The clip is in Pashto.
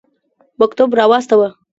مکتوب را واستاوه.